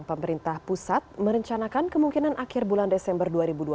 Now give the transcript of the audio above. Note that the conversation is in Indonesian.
pemerintah pusat merencanakan kemungkinan akhir bulan desember dua ribu dua puluh